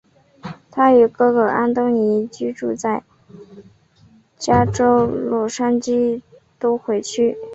他与哥哥安东尼居住在加州洛杉矶都会区。